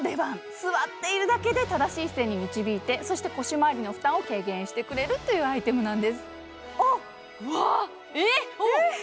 座っているだけで、正しい姿勢に導いて、腰回りの負担を軽減してくれるっていうアイテムなんです。